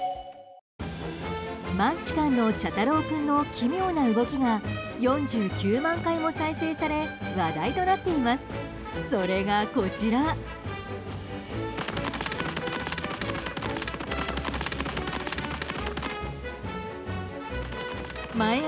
マンチカンの茶太郎君の奇妙な動きが４９万回も再生され話題となっています。